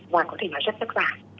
và có thể nói rất thất vả